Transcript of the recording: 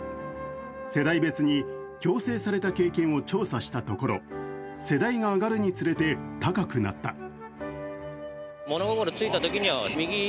世代別に、矯正された経験を調査したところ世代が上がるにつれて高くなった。